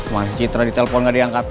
makanya citra di telpon gak diangkat